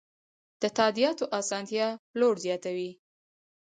د تادیاتو اسانتیا پلور زیاتوي.